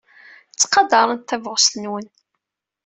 Ttqadarent tabɣest-nwen.